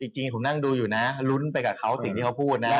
จริงผมนั่งดูอยู่นะลุ้นไปกับเขาสิ่งที่เขาพูดนะ